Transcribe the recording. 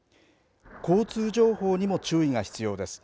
交通情報にも注意が必要です。